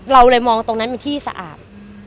เราเลยมองตรงนั้นเป็นที่สะอาด